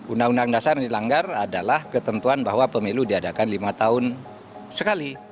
undang undang dasar yang dilanggar adalah ketentuan bahwa pemilu diadakan lima tahun sekali